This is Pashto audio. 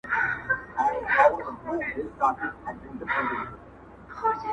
o خبره له خبري پيدا کېږي.